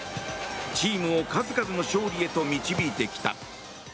チームを数々の勝利へと導いてきた。